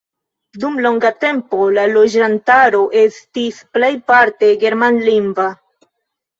Dum longa tempo la loĝantaro estis plejparte germanlingva.